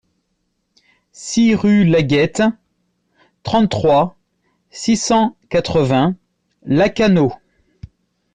six rue Lagueyte, trente-trois, six cent quatre-vingts, Lacanau